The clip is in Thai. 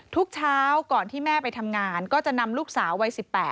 ทุกเช้าก่อนที่แม่ไปทำงานก็จะนำลูกสาววัย๑๘